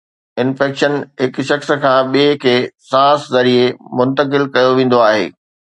infection هڪ شخص کان ٻئي کي سانس ذريعي منتقل ڪيو ويندو آهي